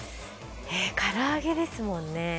から揚げですもんね。